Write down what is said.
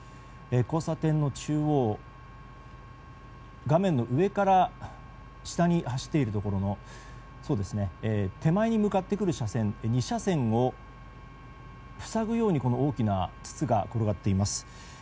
交差点の中央、画面の上から下に走っているところの手前に向かってくる車線２車線を塞ぐように大きな筒が転がっています。